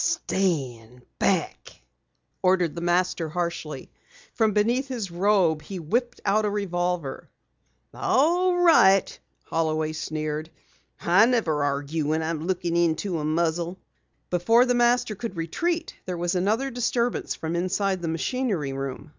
"Stand back!" ordered the Master harshly. From beneath his robe he whipped a revolver. "All right," Holloway sneered. "I never argue when I'm looking into a muzzle." Before the Master could retreat, there was another disturbance from inside the machinery room.